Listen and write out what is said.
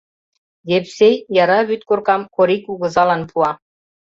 Епсей яра вӱдкоркам Корий кугызалан пуа.